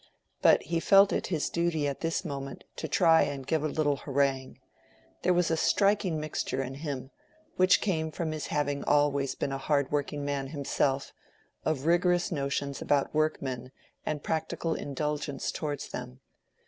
But he felt it his duty at this moment to try and give a little harangue. There was a striking mixture in him—which came from his having always been a hard working man himself—of rigorous notions about workmen and practical indulgence towards them.